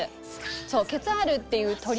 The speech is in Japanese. そうケツァールっていう鳥で。